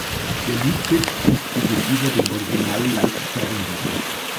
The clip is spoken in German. Der Liedtext ist gegenüber dem Original leicht verändert.